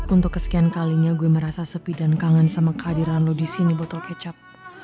untuk kesekian kalinya gue merasa sepi dan kangen sama kehadiran lo di sini botol kecap